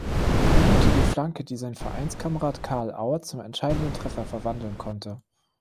Minute die Flanke, die sein Vereinskamerad Karl Auer zum entscheidenden Treffer verwandeln konnte.